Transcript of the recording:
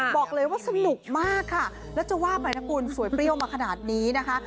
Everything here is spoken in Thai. บอกเลยว่าสนุกมากค่ะแล้วจะว่าไปนะคุณสวยเปรี้ยวมาขนาดนี้นะคะ